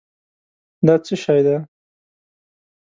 دا څه شی دی؟